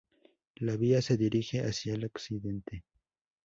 La vía se dirige hacia el occidente.